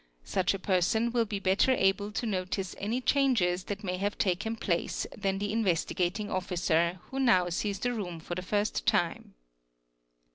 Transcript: Such a person will be better able to notice Beenges that may have taken place than the ( Pareaigasing Officer 0 now sees the room for the first time.